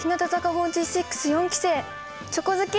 ４６四期生チョコ好き